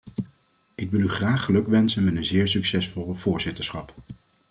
Ik wil u graag gelukwensen met een zeer succesvol voorzitterschap.